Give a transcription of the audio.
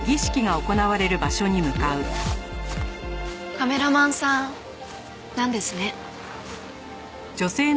カメラマンさんなんですね。